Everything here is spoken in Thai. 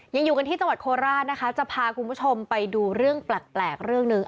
ยังอยู่กันที่ตลาดโคลาจะพาคุณผู้ชมไปดูเรื่องแปลกเรื่องนึง